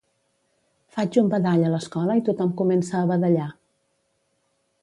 Faig un badall a l'escola i tothom comença a badallar